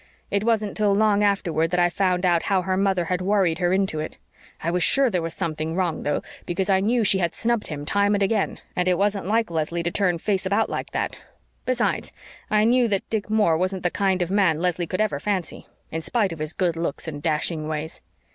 It wasn't till long afterward that I found out how her mother had worried her into it. I was sure there was something wrong, though, because I knew how she had snubbed him time and again, and it wasn't like Leslie to turn face about like that. Besides, I knew that Dick Moore wasn't the kind of man Leslie could ever fancy, in spite of his good looks and dashing ways.